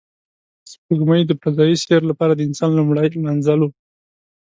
سپوږمۍ د فضایي سیر لپاره د انسان لومړی منزل و